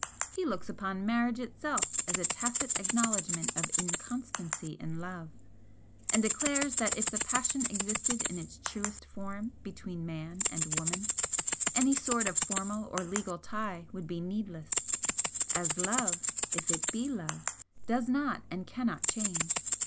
He looks upon marriage itself as a tacit acknowledgment of inconstancy in love, and declares that if the passion existed in its truest form between man and woman any sort of formal or legal tie would be needless, as love, if it be love, does not and cannot change.